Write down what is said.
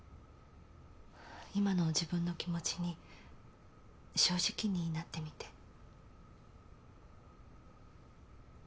今の自分の気持ちに正直になってみて。